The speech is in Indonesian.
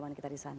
baik intinya sudah